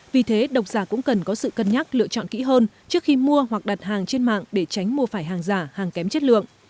vì thế độc giả cũng cần có sự cân nhắc lựa chọn kỹ hơn trước khi mua hoặc đặt hàng trên mạng để tránh mua phải hàng giả hàng kém chất lượng